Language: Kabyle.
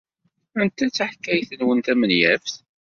Anta ay d taḥkayt-nwen tamenyaft?